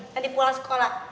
nanti pulang sekolah